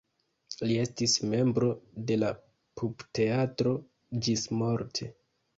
Li estis membro de la Pupteatro ĝismorte.